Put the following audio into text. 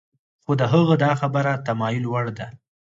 خو د هغه دا خبره د تأمل وړ ده.